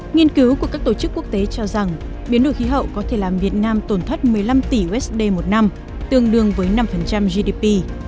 nghiên cứu của các tổ chức quốc tế cho rằng biến đổi khí hậu có thể làm việt nam tổn thất một mươi năm tỷ usd một năm tương đương với năm gdp